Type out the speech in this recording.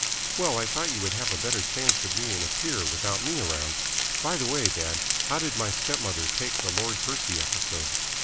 "Well, I thought you would have a better chance of being a peer without me around. By the way, dad, how did my step mother take the Lord Percy episode?"